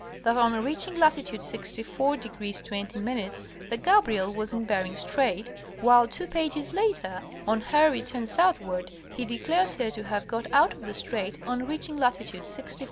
that on reaching latitude 64° 20' the Gabriel was in Bering Strait, while two pages later, on her return southward, he declares her to have got out of the strait on reaching latitude 64° 27'!